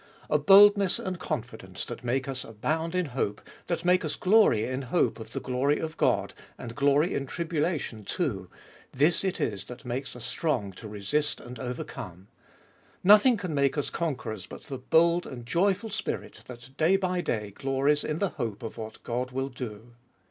A boldness and confidence that make us abound in hope, that make us glory in hope of the glory of God, and glory in tribulation too, — this it is that makes us strong to resist and overcome. Nothing can make us con querors but the bold and joyful spirit that day by day glories in the hope of what God will do.